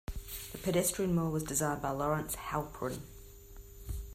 The pedestrian mall was designed by Lawrence Halprin.